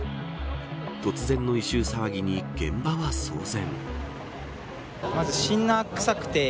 突然の異臭騒ぎに、現場は騒然。